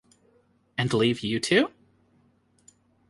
And leave you two?